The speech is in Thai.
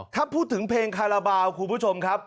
ถ้าพูดถึงเพลงคาราบาลคุณผู้ชมครับ